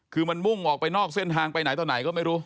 คือมันมุ่งออกไปนอกเส้นทางไปไหนต่อไหนก็ไม่รู้